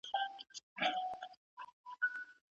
آیا بزګر فکر کاوه چې آس به دومره ژر له کوهي راووځي؟